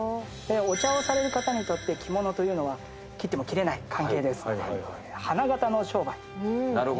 お茶をされる方にとって着物というのは切っても切れない関係ですので。